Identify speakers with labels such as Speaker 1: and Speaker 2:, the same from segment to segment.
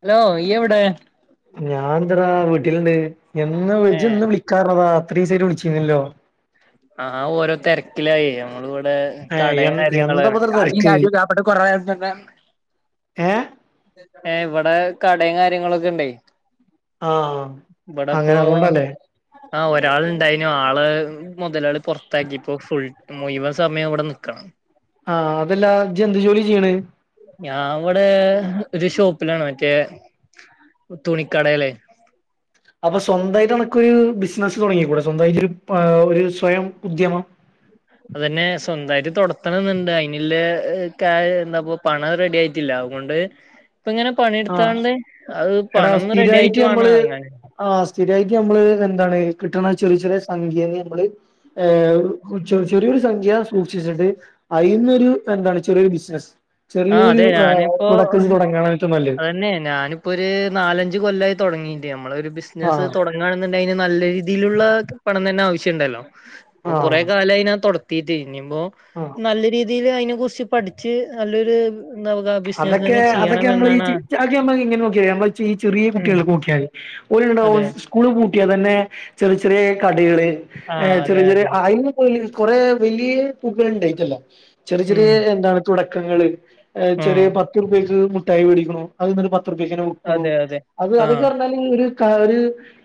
Speaker 1: Hello ഇയ്യെവിടെ
Speaker 2: ഇതെടാ വീട്ടിലുണ്ട് എന്ന് വിളി ഇജ്ജെന്ന് വിളിക്കാർഞ്ഞതാ ഇത്രീസായിട്ട് വിളിച്ചീലല്ലോ
Speaker 1: ആ ആഹ് ഓരോ തെര്ക്കിലായി നമ്മളിവിടെ
Speaker 2: ഏ
Speaker 1: കടേ
Speaker 2: എ
Speaker 1: കാര്യങ്ങളാണ്
Speaker 2: എന്താപ്പത്ര
Speaker 1: കാടീം
Speaker 2: തിരക്ക്
Speaker 1: കാര്യങ്ങളും [unintelligible] [unintelligible]
Speaker 2: ഏഹ്
Speaker 1: ഏ ഇവടെ കടേം കാര്യങ്ങളൊക്കെണ്ടേയ്
Speaker 2: ആഹ്
Speaker 1: ബടെ പോ
Speaker 2: അങ്ങനെ അതുകൊണ്ടല്ലേ
Speaker 1: ആ ഒരാൾ ഉണ്ടായിനു ആള് മുതലാളി പൊർത്താക്കിപ്പോ ഫുൾ മുഴു സമയം ഇവിടെ നിക്കണം
Speaker 2: ആഹ് അതല്ലാ ഇജ്ജെന്ത് ജോലിയാ ചെയ്യ്ണ്
Speaker 1: ഞാൻ വടെ ഒരു ഷോപ്പിലാണ് മറ്റേ തുണിക്കടേല്
Speaker 2: ബിസ്നസ് തുടങ്ങികൂടെ സ്വന്തായിട്ട് ഒരു സ്വയം ഉദ്യമം
Speaker 1: അതന്നെ സ്വന്തായിട്ട് തൊട്‌ത്തണന്ന്‌ണ്ട് അയ്നില്ലെ കാ എന്താപ്പ പണം റെഡിയായിട്ടില്ല അതുകൊണ്ട് ഇപ്പ ഇങ്ങനെ പണി
Speaker 2: ആഹ്
Speaker 1: ട്ത്താണ്ട് അത്
Speaker 2: എടാ
Speaker 1: പണംറെഡി ആയിട്ട്
Speaker 2: സ്ഥിരായിട്ട്
Speaker 1: വാണം
Speaker 2: നമ്മള്
Speaker 1: എർങ്ങാന്
Speaker 2: ആഹ് സ്ഥിരായിട്ട് നമ്മള് എന്താണ് കിട്ട്ണേ ചെറിയ ചെറിയ സംഖ്യകള് നമ്മള് ചെറിയൊരു സംഖ്യ സൂക്ഷിച്ചിട്ട് അയ് ഇന്നൊരു എന്താണ് ചെറിയൊരു ബിസിനസ്
Speaker 1: ആ
Speaker 2: ചെറിയൊരു
Speaker 1: അതെ ഞാനിപ്പോ
Speaker 2: [unintelligible] തുടങ്ങനെങ്കി
Speaker 1: അതന്നെ ഞാനിപ്പൊരു നാലഞ്ച് കൊല്ലായി തുടങ്ങീട്ട് നമ്മളെരു ബിസിനസ്സ്
Speaker 2: ആഹ്
Speaker 1: തൊട്ങ്ങാ ണുണ്ടെങ്കിൽ നല്ല രീതിയിലുള്ള പണം തന്നെ ആവശ്യണ്ടല്ലോ പ്പൊ കൊറെ
Speaker 2: ആഹ്
Speaker 1: കാലം ആയി ഞാൻ തൊട്ത്തീട്ട് ഇഞ്ഞ്പോ
Speaker 2: ആഹ്
Speaker 1: നല്ല രീതി രീതില് അതിനെ കുർച്ച് പഠിച്ച് നല്ലൊരു എന്താ പറയാ ബിസിനസ്
Speaker 2: അതൊക്കെ
Speaker 1: തന്നെ
Speaker 2: അതൊക്കെ
Speaker 1: ചെയ്യണം
Speaker 2: നമ്മൾ ഈ
Speaker 1: എന്നാണ്
Speaker 2: ചി
Speaker 1: ആ-
Speaker 2: ഇങ്ങനെ നോക്കതി നമ്മ ചീ ഈ ചെറിയ
Speaker 1: ഉം
Speaker 2: കുട്ടികളൊക്കെ നോക്കിയാതി
Speaker 1: അതെ
Speaker 2: ഓലുണ്ടാവും സ്കൂള് പൂട്ടിയാൽ തന്നെ ചെറിയ ചെറിയ കടകള്
Speaker 1: ആ
Speaker 2: ഏ
Speaker 1: അതെ
Speaker 2: ചെറിയ ചെറിയ
Speaker 1: അതെ
Speaker 2: അയിന് പോ കൊറെേ വലിയ പൂക്കൾ ഉണ്ടായിട്ടല്ല ചെറിയ
Speaker 1: ഉം
Speaker 2: ചെറിയ എന്താണ് തുടക്കങ്ങള്
Speaker 1: ആ
Speaker 2: ചെറിയ പത്തുർപക്ക് മുഠായി മേടിക്കുണു അതിന്നൊരു പ പത്തുർപ്പിക്കന്നെ വിക്കുണു
Speaker 1: അതെ അതെ
Speaker 2: അത്
Speaker 1: ആ
Speaker 2: അതൊക്കെ ർഞ്ഞാല് ഒരു ക ഒർ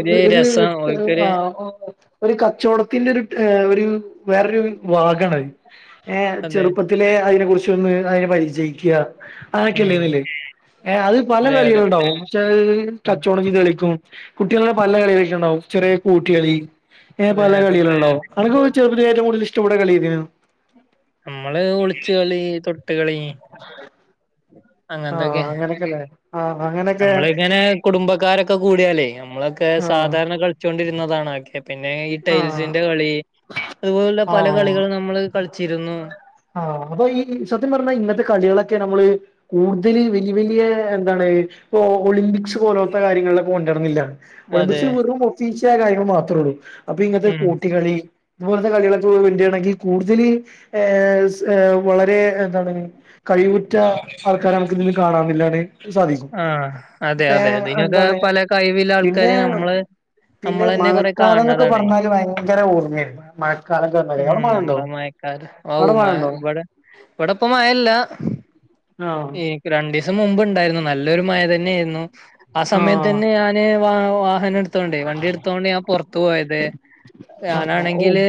Speaker 1: ഒരു
Speaker 2: ഒർ
Speaker 1: രസം ഓൽക്കൊരു
Speaker 2: ആ ഒരു കച്ചവടത്തിന്റെ ഒർ ഒരു വേറരു വാഗണത് ഏ
Speaker 1: അതെ
Speaker 2: ചെറുപ്പത്തിലെ അയ്നെ കുറിച്ചൊന്ന് അയ്നെ പരിചയിക്ക
Speaker 1: ഉം
Speaker 2: അതൊക്കെയല്ലേന്നല്ലേ ഏ അത് പല
Speaker 1: അതെ അതെ
Speaker 2: കളികളുണ്ടാവും പക്ഷേ കച്ചോടംചെയ്ത്കളിക്കും കുട്ടികളുടെ പല കളികളൊക്കെ ഉണ്ടാവും ചെറേ കോട്ടികളി ഏ
Speaker 1: അതെ
Speaker 2: പല
Speaker 1: അതെ
Speaker 2: കളികളുണ്ടാവും അനക്ക് ചെറു ഏറ്റവും കൂടുതൽ ഇഷ്ടം ഉള്ള കളി ഏതേനു
Speaker 1: നമ്മള് ഒളിച്ചു കളി തൊട്ടുകളി
Speaker 2: ആ
Speaker 1: അങ്ങന്തൊക്കെ
Speaker 2: അങ്ങനൊക്കെല്ലേ ആ അങ്ങനൊക്കെ
Speaker 1: നമ്മളിങ്ങനെ കുടുംബക്കാരൊക്കെ കൂടിയാലേ നമ്മളൊക്കെ സാധാരണ കളിച്ചോണ്ടിരുന്നതാണ്ണൊക്കെ പിന്നെ ഈ
Speaker 2: ആ ആ
Speaker 1: ടൈൽസിന്റെ കളി അതുപോലുള്ള പല കളികളും നമ്മള് കളിച്ചിരുന്നു.
Speaker 2: ആ അപ്പൊ ഈ സത്യം പറഞ്ഞാ ഇന്നത്തെ കളികളൊക്കെ നമ്മള് കൂടുതല് വലിയ വലിയ എന്താണ് ഒളിമ്പിക്സ് പോലോത്ത കാര്യങ്ങളിലൊക്കെ കൊണ്ടർന്നില്ല
Speaker 1: അതെ
Speaker 2: ഒളിബിക്സിൽ വെറും ഒഫീച്ച കാര്യങ്ങൾ മാത്രേ ഒള്ളൂ അപ്പൊ ഇങ്ങൻത്തെ
Speaker 1: ഉം
Speaker 2: കോട്ടികളി ഇതുപോലത്തെ കളികളൊക്കെ [unintelligible] ണെങ്കിൽ കൂടുതല് വളരെ എന്താണ് കഴിവുറ്റ ആൾക്കാര നമുക്കിതില് കാണാനില്ലാന്ന് സാധിക്കും.
Speaker 1: ആഹ് അതെ
Speaker 2: പേ
Speaker 1: അതെ ഇതിനൊക്കെ
Speaker 2: എന്താണ്
Speaker 1: പല കഴിവുള്ള
Speaker 2: പിന്നെ
Speaker 1: ആൾക്കാര് നമ്മള്
Speaker 2: പിന്നെ
Speaker 1: നമ്മളന്നെ കൊറേ
Speaker 2: മഴക്കാലം ന്നൊക്കെ
Speaker 1: കാണണതാണ്
Speaker 2: പറഞ്ഞ ഭയങ്കര ഓർമായിർന്നു മഴക്കാലൊക്കെ പർഞ്ഞ
Speaker 1: ഉം
Speaker 2: എടെ മഴണ്ടോ,
Speaker 1: നമ്മളെ മയക്കാര് ഔ മഴ ഇവടെ ഇവടെ ഇപ്പ മഴല്ല
Speaker 2: ആഹ്
Speaker 1: ഈ രണ്ട് രണ്ടീസം മുമ്പ് ഇണ്ടായിരുന്നു നല്ലൊരു മഴ തന്നേന്നു ആ
Speaker 2: ആഹ്
Speaker 1: സമയത്തന്നെ ഞാന് വാ വാഹനട് തൊണ്ടോയി വണ്ടി ഇട്ത്തോണ്ട് ഞാൻ പൊർത്തു പോയത്
Speaker 2: ആഹ് ഓ
Speaker 1: ഞാനാണെങ്കില്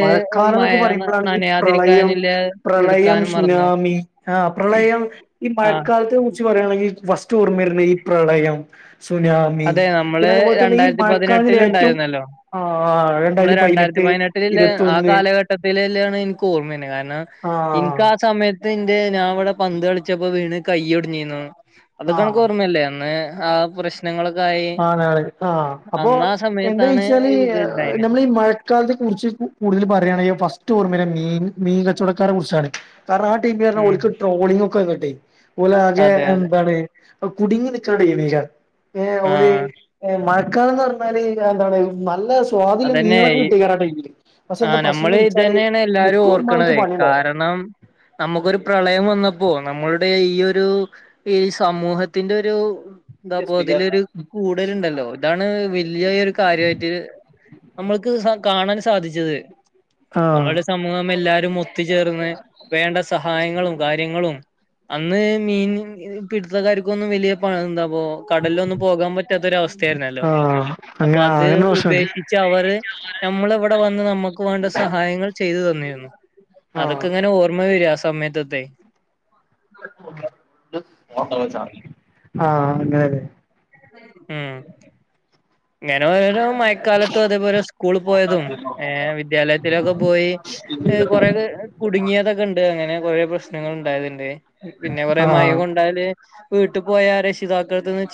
Speaker 1: മയ
Speaker 2: മഴക്കാലംന്നൊക്കെ പറയുമ്പോഴാണ് ഈ പ്രളയം
Speaker 1: നനയാതിരിക്കാനില്ലെ
Speaker 2: പ്രളയം
Speaker 1: എടുക്കാനും മറന്നു
Speaker 2: ആഹ് സുനാമി പ്രളയം ഈ
Speaker 1: ആഹ്
Speaker 2: മഴക്കാലത്ത് പറയാണെങ്കിൽ ഫസ്റ്റ് ഓർമ്മർന്നെ ഈ പ്രളയം സുനാമി
Speaker 1: അതെ നമ്മള്
Speaker 2: പിന്നെ അതുപോലെ തന്നെ ഈ മഴക്കാലിലേറ്റവും ആ രണ്ടായിരത്തി പയ്നെട്ട്
Speaker 1: പയ്നെട്ടിലില്ലേ ആ കാലഘട്ടത്തിലില്ലാണ് ൻക്ക് ഓർമ്മെർന്നെ കാരണം
Speaker 2: ആഹ്
Speaker 1: ൻക്കാ സമയത്ത് എന്റെ ഞാൻ ഇവിടെ പന്ത് കളിച്ചപ്പോ വീണ് കയോടഞ്ഞീനു അതൊക്കെ അനക്ക്
Speaker 2: ആഹ്
Speaker 1: ഓമ്മയല്ലേ അന്ന് ആ പ്രശ്നങ്ങളൊക്കെ ആയി
Speaker 2: ആ നാളെ ആഹ് അപ്പൊ
Speaker 1: അന്നാ
Speaker 2: എന്താ
Speaker 1: സമയത്താണ്
Speaker 2: വെച്ചാല്
Speaker 1: ഇത് ഇണ്ടായിനെ
Speaker 2: നമ്മൾ ഈ മഴക്കാലത്തെ കുറിച്ച് കൂടുതൽ പറയാണെങ്കി ഫ സ്റ്റ് ഓർമര മീൻ മീൻ കച്ചവടക്കാരെ കുറിച്ചാണ് കാരണം ആ ടീമ് പറഞ്ഞ
Speaker 1: ഉം
Speaker 2: ഓൽക്ക് ട്രോളിംഗൊക്കെങ്ങട്ടെയ് ഓ ലെ ആകെ
Speaker 1: അതെ അതെ
Speaker 2: എന്താണ് കുടുങ്ങി നിക്കണ്ട ചെയുന്ന
Speaker 1: ആഹ്
Speaker 2: മഴക്കാലംന്ന് പറഞ്ഞാല് എന്താണ് നല്ല സ്വാദ്ല്ല
Speaker 1: അതന്നെ
Speaker 2: മീനാളൊക്കെ
Speaker 1: ഈ
Speaker 2: കിട്ടേക്കാരം ആ ടൈമില് പക്ഷെ എന്ത
Speaker 1: ആഹ്
Speaker 2: പ്രശ്നംന്ന്
Speaker 1: നമ്മള്
Speaker 2: വെച്ചാല്
Speaker 1: ഇതന്നെയാണ് എല്ലാരും
Speaker 2: മുക്കുവന്മാർക്ക്
Speaker 1: ഓർക്കണത്
Speaker 2: പണിണ്ടാവൂല
Speaker 1: കാരണം നമുക്കൊരു പ്രളയം വന്ന പ്പോ നമ്മളുടെ ഈ ഒരു ഈ സമൂഹത്തിന്റെ ഒരു എന്താപ്പൊ അതിലൊരു കൂടരുണ്ടല്ലോ ഇതാണ് വല്യായ ഒരു കാര്യായിട്ട് നമ്മൾക്ക് കാണാൻ സാധിച്ചത്
Speaker 2: ആഹ്
Speaker 1: നമ്മളുടെ സമൂഹം എല്ലാരും ഒത്ത്ചേർന്ന് വേണ്ട സഹായങ്ങളും കാര്യങ്ങളും അന്ന് മീൻ പിടുത്തക്കാർക്കൊന്നും വലിയ പ എന്താ? പ്പോ കടലിലൊന്നും പോകാൻ പറ്റാത്തൊരവസ്ഥ ആയിർന്നല്ലോ
Speaker 2: ആഹ്
Speaker 1: അപ്പ
Speaker 2: അങ്ങനെ ആ
Speaker 1: അത്
Speaker 2: അങ്ങനെ പ്രശ്നണ്ട്
Speaker 1: ഉപേക്ഷി അവര് ഞമ്മളവിടെ വന്ന് ഞമ്മക്ക് വേണ്ട സഹായങ്ങൾ ചെയ്തു തന്നിരുന്നു.
Speaker 2: ആഹ്
Speaker 1: അതൊക്കെ ഇങ്ങനെ ഓർമ്മ വരാ. ആ സമയത്തത്തെ.
Speaker 2: [unintelligible] ആ അങ്ങനേല്ലേ?
Speaker 1: ഏ ഇങ്ങനെ ഓരോരോ മയക്കാലത്തും അതേപോലെ സ്കൂള് പോയതും ഏ വിദ്യാലയത്തിലൊക്കെ പോയി. കൊറേക്കേ കുടുങ്ങിയതൊക്കേണ്ട് അങ്ങനെ കൊറേ പ്രശ്നങ്ങൾ ഉണ്ടായത്ണ്ട്. പിന്ന കൊറേ മയ
Speaker 2: ആഹ്
Speaker 1: കൊണ്ടാല് വീട്ട്പോയാ രക്ഷിതാക്കള്ട്ത്ത്ന്ന്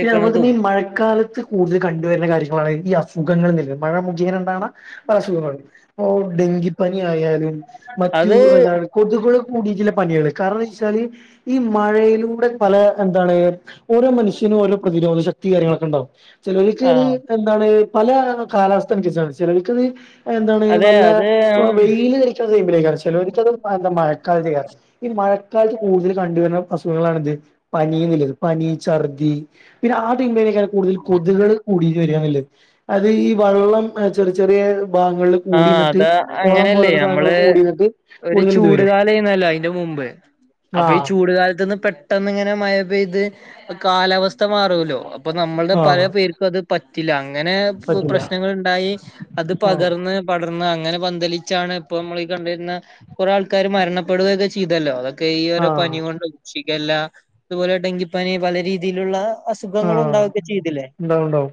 Speaker 2: പിന്നെ നമ്മള് ഇതന്നി മഴക്കാലത്ത് കൂടുതല് കണ്ടുവരുന്ന കാര്യങ്ങളാണ് ഈ അസുഖങ്ങൾന്നില്ലേ? മഴ ങ്ങനേണ്ടാവണ അസുഖങ്ങൾ ഇപ്പോ ഡെങ്കിപ്പനി ആയാലും മറ്റു
Speaker 1: അത്
Speaker 2: എന്താണ് കൊതുകുകള് കൂടീട്ടിള്ള പനികള് കാരണംന്ന് വെച്ചാല് ഈ മഴയിലൂടെ പല എന്താണ് ഓരോ മനുഷ്യ ത്തിനും ഓരോ പ്രതിരോധ ശക്തി കാര്യങ്ങളൊക്കണ്ടാവും. ചിലര്ക്ക് അത്
Speaker 1: ആഹ്
Speaker 2: എന്താണ്? പല കാലാവസ്ഥ അൻസര്ച്ചാണ് ചെലര്ക്കത് എന്താണ്
Speaker 1: അതെ
Speaker 2: നല്ല
Speaker 1: അത്
Speaker 2: വെയില് അരിക്കുന്ന ടൈമിലായിരിക്കാം. ചെലൊർക്ക്ത് എന്താ മഴക്കാലത്തേയ്രിക്കാം. ഈ മഴ കാലത്ത് കൂടുതല് കണ്ടുവരുന്ന അസുഖങ്ങളാണെന്ത്‌? പനി എന്നുള്ളത് പനി ചർ ദ്ധി പിന്നെ ആ ടെയ്മിലോക്കേണ് കൂടുതൽ കൊതുകള് കൂടി വരാന്ന്ള്ളത് അത് ഈ വള്ളം ചെറ് ചെറ്യേ
Speaker 1: ആ അതാ അങ്ങനല്ലേ ഞമ്മള്
Speaker 2: സാധനങ്ങളൊക്കെ കൂടിന്നിട്ട്
Speaker 1: ഒരു
Speaker 2: കൂടുതൽ ഇത് വരും
Speaker 1: ചൂടുകാലേയ്നല്ലോ അയ്ന്റെ മു മ്പ് അപ്പ ഈ
Speaker 2: ആഹ്
Speaker 1: ചൂട് കാലത്ത്ന്ന് പെട്ടെന്ന് ഇങ്ങനെ മയ പെയ്ത് കാലാവസ്ഥ മാറൂല്ലോ. അപ്പ നമ്മള്ടെ പല
Speaker 2: ആഹ്
Speaker 1: പേർക്കും അത് പറ്റില്ല. ആ അങ്ങനെ
Speaker 2: പറ്റില്ല
Speaker 1: പ്രശ്നങ്ങള്ണ്ടായി അത്
Speaker 2: ആഹ്
Speaker 1: പകർന്ന് പടർന്ന് അ അങ്ങന പന്തലിച്ചാണ് ഇപ്പം നമ്മള് ഈ കണ്ട്‌ വരുന്ന കൊറ ആൾക്കാര് മരണപ്പെടുകയൊക്കെ ചീതല്ലോ അതൊ ക്കെ ഈ ഒരു
Speaker 2: ആഹ്
Speaker 1: പനികൊണ്ടും ഷിഗല്ല അതുപോലെ ഡെങ്കിപ്പനി പല രീതിയിലുള്ള
Speaker 2: ആ
Speaker 1: അസുഖങ്ങൾ ഉണ്ടാവുകയൊക്കെ ചെയ്തില്ലേ
Speaker 2: ഉണ്ടാവുംണ്ടാവും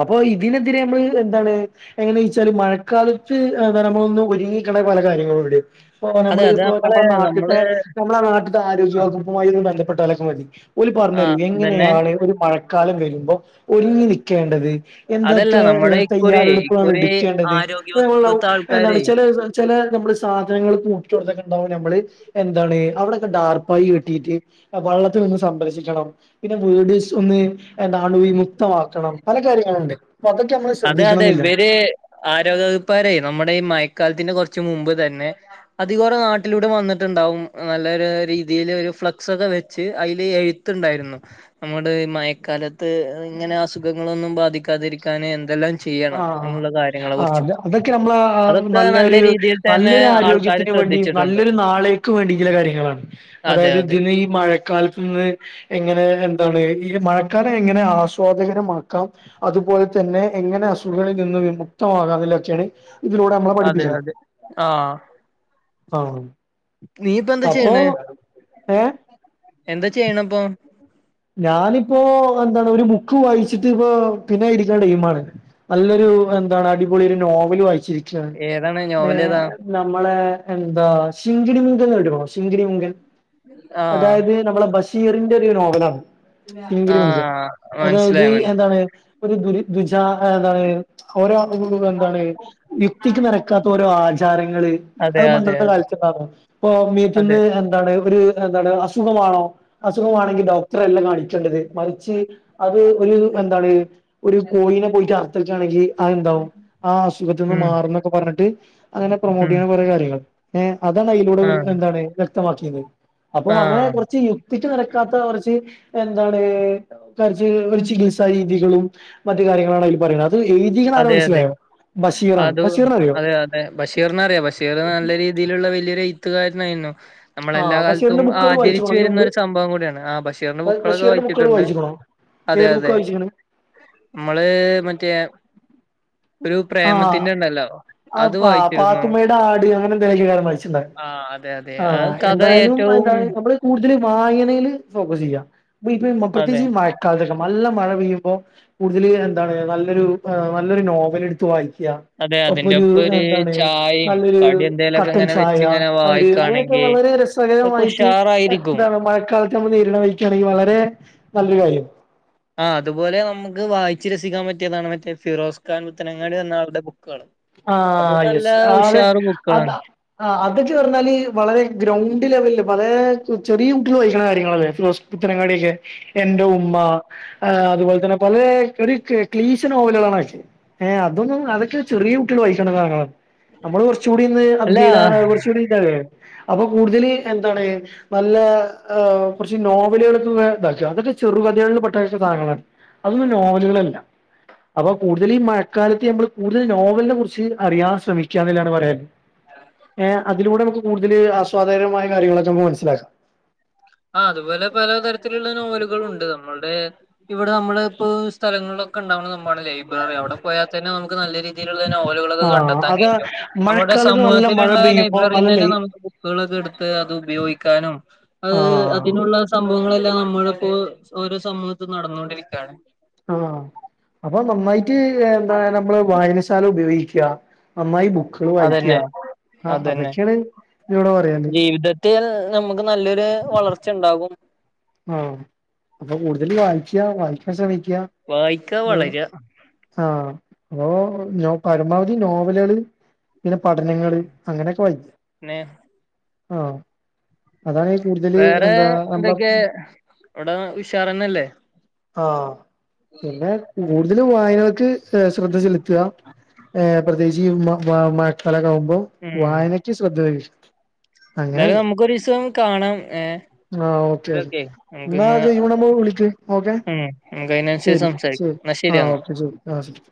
Speaker 2: അപ്പ ഇതിനെതിരെ നമ്മള് എന്താണ് എങ്ങന വെച്ചാല് മഴക്കാലത്ത് വരാൻ പോകുന്ന ഒരുങ്ങയിക്കണ്ട പല കാര്യങ്ങളുണ്ട്വടെ ഇപ്പ
Speaker 1: അതെ
Speaker 2: നമ്മള്
Speaker 1: അത്
Speaker 2: ഇപ്പോ നമ്മളെ നാട്ട്ത്തെ
Speaker 1: നമ്മള്
Speaker 2: നമ്മളെ നാട്ട്ത്തെ ആരോഗ്യ വകുപ്പുമായി ഒന്ന് ബന്ധപ്പെട്ടാലൊക്കെ മതി. ഓല്
Speaker 1: ആ
Speaker 2: പറഞ്ഞരും
Speaker 1: അതന്നെ
Speaker 2: എങ്ങനെയാണ് ഒരു മഴക്കാലം വരുമ്പോ ഒരുങ്ങി നിക്കേണ്ടത്?
Speaker 1: അതല്ല
Speaker 2: എന്തൊക്കെ
Speaker 1: നമ്മുടെ ഇക്കുറി
Speaker 2: തയ്യാറെടുപ്പുകളാണ്
Speaker 1: ഇക്കുറി
Speaker 2: എടുക്കേണ്ടത്?
Speaker 1: ആരോഗ്യ
Speaker 2: പ്പോ ഞമ്മളെന്താവും?
Speaker 1: വകുപ്പ്ത്തെ
Speaker 2: എന്താണ്
Speaker 1: ആൾക്കാരെ
Speaker 2: ചെല ചെല ഞമ്മള് സാധനങ്ങൾ കൂട്ടിട്ടോടത്ത് ഓക്കേണ്ടാവും ഞമ്മള്. എന്താണ്? അവിടൊക്കെ ഡാർപ്പായി കെട്ടീട്ട് വള്ളത്ത് ഒന്ന് സംരക്ഷിക്കണം. പിന്നേ വീട് ഒന്ന് അണുവിമുക്തമാക്കണം. പല കാര്യങ്ങള്ണ്ട്‌.
Speaker 1: അതെ അതെ. ഇവര് ആരോഗ്യവകുപ്പാരേ നമ്മുടെ ഈ മയ കാലത്തിന്റെ കൊറച്ച് മുമ്പ് തന്നെ അതി കൊറെ നാട്ടിലൂടെ വന്നിട്ടുണ്ടാവും നല്ല ഒര് രീതില് ഒരു ഫ്ലക്സ് ഒക്കെ വെച്ച് അയില് എഴുത്ത്ണ്ടായിരുന്നു നമ്മുടെ മയക്കാലത്ത് ഇങ്ങനെ അസുഖ ങ്ങളൊന്നും ബാധിക്കാതിരിക്കാന് എന്തെല്ലാം
Speaker 2: ആ
Speaker 1: ചെയ്യണം എന്നുള്ള കാര്യങ്ങളെ
Speaker 2: ആ
Speaker 1: കുറിച്ചും
Speaker 2: അ അതൊക്കെ നമ്മള
Speaker 1: അതൊക്കെ നല്ല
Speaker 2: നല്ലൊരു
Speaker 1: രീതിയിൽ തന്നെ
Speaker 2: നല്ലൊരു
Speaker 1: ആൾക്കാര്
Speaker 2: ആരോഗ്യത്തിന് പ്പടിം
Speaker 1: ശ്രദ്ധിച്ചിട്ടുണ്ട്
Speaker 2: നല്ലൊരു നാളക്ക് വേണ്ടി ചില കാര്യങ്ങളാണ്.
Speaker 1: അതെ
Speaker 2: അതായത്
Speaker 1: അതെ
Speaker 2: ഇജ്ജ്ന്ന് ഈ മഴക്കാലത്ത്ന്ന് ങ്ങനെ എന്താണ്? മഴക്കാലം എങ്ങനെ ആസ്വാദകരമാക്കാം? അതുപോലെ തന്നെ എങ്ങനെ കളിൽ നിന്ന് വിമുക്തമാകാതിലൊക്കേണ് ഇതിലൂടെ മ്മളെ
Speaker 1: അതെ
Speaker 2: പഠിപ്പിച്ചണ്.
Speaker 1: അതെ
Speaker 2: ആ
Speaker 1: നീയിപ്പോ എന്താ ചെയ്യണേ?
Speaker 2: ഏഹ്
Speaker 1: എന്താ ചെയ്യണേപ്പോ?
Speaker 2: ഞാനിപ്പോ എന്താണ് ഒരു ബുക്ക്‌ വായിച്ചിട്ട് ഇപ്പോ പിന്നെ ഇരിക്കണ ടൈമാണ്. നല്ലൊരു എന്താണ് അടിപൊളി ഒരു നോവല് വായിച്ചിരിക്കാണ്.
Speaker 1: ഏതാണ്
Speaker 2: ഏ
Speaker 1: നോവലേതാ
Speaker 2: നമ്മളേ എന്താ ശിങ്കിടിമുങ്കൻ ന്ന് കേട്ടിക്കണോ ശിങ്കിടി മുങ്കൻ.
Speaker 1: ആഹ്
Speaker 2: അതായത് നമ്മള ബശീ റിന്റെ ഒരു നോവലാണ്. ചിങ്കിടി മുങ്കൻ.
Speaker 1: ആഹ്
Speaker 2: അതായത്
Speaker 1: മനസ്സിലായി
Speaker 2: എന്താണ്
Speaker 1: മനസ്സിലായി
Speaker 2: ഒരു ദുരി ദുജാ എന്താണ് ഓരോ ആളുകളും എന്താണ് യുക്തിക്ക് നെരക്കാത്ത ഓരോ ആചാരങ്ങള്
Speaker 1: അതെ
Speaker 2: അത്
Speaker 1: അതെ
Speaker 2: പണ്ടത്തെ കാൽത്ത ഇപ്പ
Speaker 1: അതെ
Speaker 2: മേത്തിന്ന് എന്താണ് ഒരു എന്താണ് അസുഖമാണോ അസുഖമാണെങ്കി ഡോ ട്രല്ല കാണിക്കേണ്ടത് മറിച്ച് അത് ഒരു എന്താണ് ഒരു കോയിനെ പോയിട്ടർ തകാകാണെങ്കി ആ എന്താവും ആ അസുഖത്തിൽന്ന്
Speaker 1: ഉം
Speaker 2: മാറുന്നൊക്കെ പർഞ്ഞിട്ട് അങ്ങനെ
Speaker 1: ഉം
Speaker 2: പ്രൊമോട്ടെയ്യ്ണെ കൊറേ കാര്യങ്ങൾ ഏ അതാണ് അയെലൂടെ ഒ
Speaker 1: ആഹ്
Speaker 2: എന്താണ് വ്യക്തമാക്കിയത് അപ്പോ അങ്ങനെ
Speaker 1: ആഹ്
Speaker 2: കൊർച്ച് യുക്തിക്ക് നെരക്കാത്ത ഒരൊ ചി എന്താണ് [unintelligible] ചികിത്സ രീതികളും മറ്റ് കാര്യങ്ങളാണ് അതിൽ പറ [unintelligible] ആരാ
Speaker 1: അതെ അതെ
Speaker 2: മനസ്സിലായോ
Speaker 1: അതു
Speaker 2: ബഷീറിനെ അറിയോ
Speaker 1: അതെ അതെ ബഷീർനറിയ ബഷീർ നല്ല രീതിലുള്ള വലിയൊരെയ് ത്തുകാരനായിരുന്നു
Speaker 2: ആ
Speaker 1: നമ്മളെല്ലാ കാൽത്തും
Speaker 2: ബഷീറിന്റെ ബുക്കുകൾ
Speaker 1: ആചരിച്ചു
Speaker 2: വായിച്ചുക്കണോ അതിന്
Speaker 1: വരുന്ന
Speaker 2: മുമ്പ്
Speaker 1: ഒരു സംഭവം കൂടിയാണ് ആ ബഷീർന്റെ ബുക്കളൊക്കെ
Speaker 2: ബഷീറിന്റെ ബുക്കുകൾ
Speaker 1: വായിച്ചിട്ടുണ്ട്
Speaker 2: വായിച്ചുക്കണോ
Speaker 1: അതെ
Speaker 2: ഏത് ബുക്ക്
Speaker 1: അതെ
Speaker 2: വായിച്ചിണ്
Speaker 1: നമ്മള് മറ്റേ ഒരു
Speaker 2: ആഹ്
Speaker 1: പ്രേമത്തിന്റെ ഉണ്ടല്ലോ
Speaker 2: ആ
Speaker 1: അത് വായിച്ചിരുന്നു.
Speaker 2: പാത്തുമ്മെടെ ആട് അങ്ങനെ എന്തെലൊക്കെ കാര്യം വായിച്ചിണ്ട
Speaker 1: ആഹ് അതെ അതെ
Speaker 2: ആ
Speaker 1: കഥ
Speaker 2: എന്തായാലും
Speaker 1: ഏറ്റവും
Speaker 2: എന്ത നമ്മള് കൂടുതല് വായനേല ഫോക്കസെയ്യാ [unintelligible] പ്രത്യേച്ച്
Speaker 1: അതെ
Speaker 2: ഇ മായക്കാൽതൊ - നല്ല മഴ പെയ്യുമ്പോ കൂടുതൽ എന്താണ് നല്ലൊരു നല്ലൊരു നോവൽ എടുത്തു വാ ക്ക
Speaker 1: അതെ അതിന്റെ
Speaker 2: ഒപ്പൊരു
Speaker 1: ഒപ്പം ഒരു
Speaker 2: എന്താണ്
Speaker 1: ചായയും
Speaker 2: നല്ലൊരു
Speaker 1: കടി എന്തേലൊക്കെ
Speaker 2: കട്ടൻ
Speaker 1: ഇങ്ങനെ വെച്ച്
Speaker 2: ചായ
Speaker 1: ഇങ്ങനെ
Speaker 2: ഒര് അങ്ങനൊക്കെരു
Speaker 1: വായിക്കാണെങ്കി
Speaker 2: വളരെ
Speaker 1: അതൊക്കെ
Speaker 2: രസകരമായിട്ട്
Speaker 1: ഉഷാറായിരിക്കും.
Speaker 2: എന്താണ് മഴക്കാലത്ത് നമ്മൾ നേരിട വെയ് ക്കാണെങ്കി വളരെ നല്ലൊരു കാര്യം
Speaker 1: ആ അതുപോലെ നമുക്ക് വായിച്ച് രസിക്കാൻ പറ്റ്യേതാണ് മറ്റേ ഫിറോസ് ഖാൻ പുത്തനങ്ങാട് എന്ന ആൾടെ ബു
Speaker 2: ആ യെസ് ആതെ
Speaker 1: ഉഷാറ്
Speaker 2: അത
Speaker 1: ബുക്കുകളാണ്
Speaker 2: അതാ ചേർന്നാല് വളരെ ഗ്രൗണ്ട് ലെവൽ പലേ ചെറിയ കുട്ട്യെള് വായിക്കുന്ന കാര്യങ്ങളല്ലേ ഫിറോസ് പുത്രനങ്ങാട്യൊക്കെ എന്റെ ഉമ്മ ഏ അതുപോൽ തന്നെ പലേ ഒരു ക് ക്ലീശ നോവലാണ് [unintelligible] അതൊന്നും അതൊക്കെ ചെർയെ കുട്ട്യെൾ വായിക്കണതാകണ നമ്മള് കുറച്ചുകൂടിന്ന്
Speaker 1: അല്ല
Speaker 2: അപ്ഗേഡകാ കൊർച്ചൂടി [unintelligible] അപ്പൊ കൂടുതൽ എന്താണ് നല്ല ഏ കൊർച്ച് നോവലേൾ ഒക്കെന്ന് ഇതാക്കാ ചെറുവചനങ്ങൾല് [unintelligible] അതൊന്നും നോവലുകളൾ അല്ല അപ്പൊ കൂടുതൽ ഈ മഴക്കാലത്ത് നമ്മള് കൂടുതൽ നോവൽനെ കുറിച്ച് അറിയാൻ ശ്രമിക്കാന്നിള്ളാണ് പറയാൻ ഏർ അതിലൂടെ നമുക്ക് കൂടുതല് ആസ്വാദകരമായ കാര്യങ്ങളൊക്കെ നമ്മക്ക് മനസ്സിലാക്കാം
Speaker 1: ആ അതുപോലെ പലതരത്തിലുള്ള നോവലുകള ഉണ്ട് നമ്മളുടെ ഇവിടെ നമ്മള് ഇപ്പോ സ്ഥലങ്ങളിലൊക്കെ ഇണ്ടാവ്ണെ സംഭവാണ് ലേ അവ്ടെ പോയാ തന്നെ നമുക്ക് നല്ല രീതീലിള്ള നോവലുകൾ ഒക്കെ
Speaker 2: ആഹ്
Speaker 1: കണ്ടെത്താൻ
Speaker 2: അതാ
Speaker 1: കഴിയും നമ്മുടെ
Speaker 2: മഴക്കാലത്ത് നല്ല മഴ
Speaker 1: സമൂഹത്തിലുള്ള
Speaker 2: പെയ്യുമ്പോ നല്ല
Speaker 1: ലൈബ്രറീന്ന് തന്നെ
Speaker 2: ലൈ
Speaker 1: നമുക്ക് ബുക്കുകൾ എടുത്ത് അത് ഉപയോഗിക്കാനും അത്
Speaker 2: ആഹ്
Speaker 1: അതിനുള്ള സം സംഭവങ്ങളു എല്ലാം നമ്മള് ഇപ്പോ ഓരോ സമൂഹത്തും നടന്നുകൊണ്ടിരിക്കാണ്
Speaker 2: ആഹ് അപ്പൊ നന്നായിട്ട് ഏ എന്താ നമ്മള് വായനശാല ഉപയോഗിക് ക നന്നായി ബുക്കുകൾ വായിക്ക
Speaker 1: അതന്നെ
Speaker 2: ആ
Speaker 1: അതന്നെ
Speaker 2: അതൊക്ക്യാണ് ഇവടെ പറയാന്
Speaker 1: [unintelligible] നമുക്ക് നല്ലൊരു വളർച്ചണ്ടാകും
Speaker 2: ആഹ് അപ്പൊ കൂടുതൽ വായിക്ക വായിക്കാൻ ശ്രമി
Speaker 1: വായിക്കാ വളരാ
Speaker 2: ആഹ് അപ്പൊ നൊ പരമാവധി നോവലേൾ പിന്നെ പഠനങ്ങള്
Speaker 1: പിന്നെ
Speaker 2: അങ്ങനെക്കെ വായിക്ക് ആഹ് അതാണ് കൂടുതല്
Speaker 1: വേറെ
Speaker 2: എന്താ നമ്മള
Speaker 1: എന്തൊക്കെ ഇവിടെ ഉഷാറന്നല്ലേ
Speaker 2: ആഹ് പിന്നെ കൂട് തൽ വായനൾക്ക് ഏ ശ്രദ്ധ ചെല്ത്ത ഏ പ്രത്യേച്ച് ഇ മ മഴക്കാലക്കെ ആവുമ്പോ മ്പം
Speaker 1: ഉം
Speaker 2: വായനക്ക് ശ്രദ്ധ അങ്ങനെ
Speaker 1: എന്തായാലും നമുക്കൊരീസം കാണാം ഏ
Speaker 2: ആഹ് ഓക്കെ ഇന്നാ അത് ഒയ്വിണ്ടാവുമ്പോ വിളിക്ക് ഓക്കെ
Speaker 1: ഉം നമുക്ക് അതിനനുസരിച്ച്
Speaker 2: ശരി
Speaker 1: സംസാരിക്കാം
Speaker 2: ശരി
Speaker 1: എന്നാ
Speaker 2: ആഹെ
Speaker 1: ശരിയെന്നാ
Speaker 2: ഓക്കെ ശരി ആഹ് ശരി